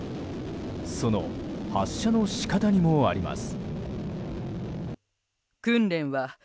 その発射の仕方にもあります。